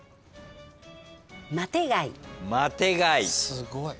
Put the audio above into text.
すごい。